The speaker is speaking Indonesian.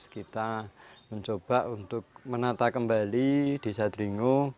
kita mencoba untuk menata kembali desa dringo